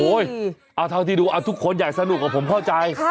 โอ้ยทางที่ดูทุกคนอย่างสนุกกว่าผมเข้าใจ